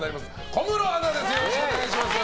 小室アナです。